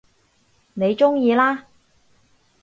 你鍾意啦